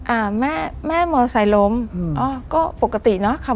อ่าแม่แม่มอเตอร์ไซด์ล้มอ๋อก็ปกติเนอะค่ะ